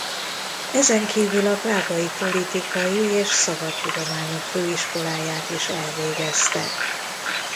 Ezen kívül a prágai Politikai és Szabad Tudományok Főiskoláját is elvégezte.